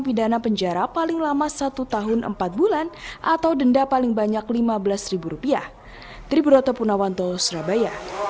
sejak kapan kamu mengalami penyimpangan orientasi seks seks dari kecil